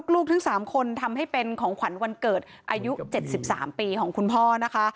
ลูกทั้ง๓คนทำให้เป็นของขวัญวันเกิดอายุ๗๓ปีของคุณพ่อนะคะ